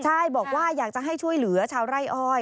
ใช่บอกว่าอยากจะให้ช่วยเหลือชาวไร่อ้อย